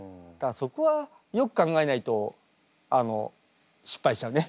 そこはよく考えないとあの失敗しちゃうね。